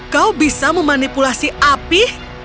kau bisa memanipulasi api